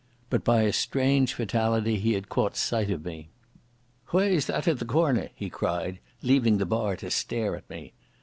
But by a strange fatality he had caught sight of me. "Whae's that i' the corner?" he cried, leaving the bar to stare at me.